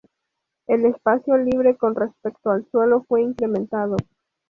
El espacio libre con respecto al suelo fue incrementado.